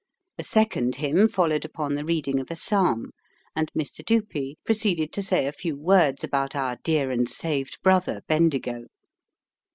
A second hymn followed upon the reading of a psalm; and Mr. Dupee proceeded to say a few words about "our dear and saved brother, Bendigo."